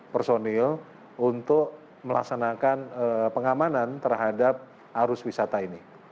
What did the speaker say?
tujuh ratus lima puluh personil untuk melaksanakan pengamanan terhadap arus wisata ini